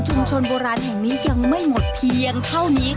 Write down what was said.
ถูกต้องตัวพัดลมตัวเร่งไฟ